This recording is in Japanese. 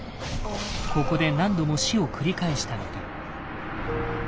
ここで何度も死を繰り返したのか。